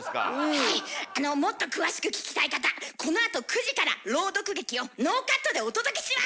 あのもっと詳しく聞きたい方このあと９時から朗読劇をノーカットでお届けします！